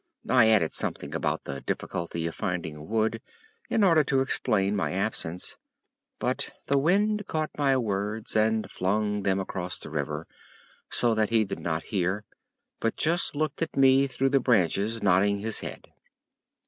I added something about the difficulty of finding wood, in order to explain my absence, but the wind caught my words and flung them across the river, so that he did not hear, but just looked at me through the branches, nodding his head.